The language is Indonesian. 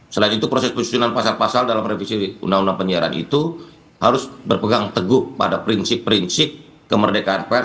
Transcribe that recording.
selain itu proses penyusunan pasal pasal dalam revisi undang undang penyiaran itu harus berpegang teguh pada prinsip prinsip kemerdekaan pers